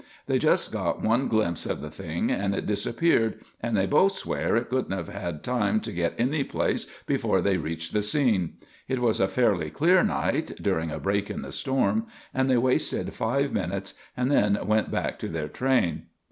They just got one glimpse of the thing and it disappeared and they both swear it couldn't have had time to get any place before they reached the scene. It was a fairly clear night, during a break in the storm, and they wasted five minutes and then went back to their train.